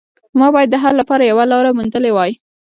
ما باید د حل لپاره یوه لاره موندلې وای